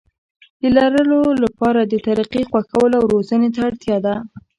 د لرلو لپاره د طريقې خوښولو او روزنې ته اړتيا ده.